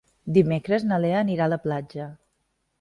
Dimecres na Lea anirà a la platja.